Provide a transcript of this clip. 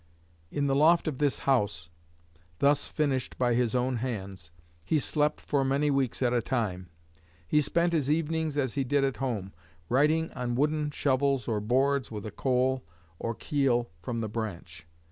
In the loft of this house, thus finished by his own hands, he slept for many weeks at a time. He spent his evenings as he did at home, writing on wooden shovels or boards with 'a coal, or keel, from the branch.'